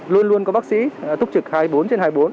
luôn luôn có bác sĩ túc trực hai mươi bốn trên hai mươi bốn